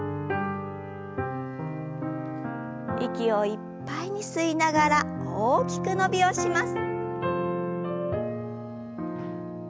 息をいっぱいに吸いながら大きく伸びをします。